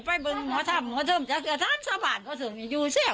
พี่บอกว่ากลางคั่งกลางคืนแม่เป็นอย่างไรครับอาจารย์